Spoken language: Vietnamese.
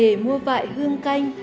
ai về mua vại hương canh